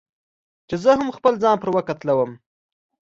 چې زه هم خپل ځان پر وکتلوم.